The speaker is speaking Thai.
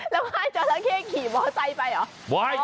แล้วห้าจราเก้ขี่มอเตอร์ไซค์ไปเหรอ